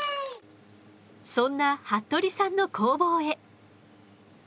そんな服部さんの工房へ。